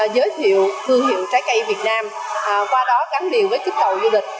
giới thiệu thương hiệu trái cây việt nam qua đó gắn liều với kích cầu du lịch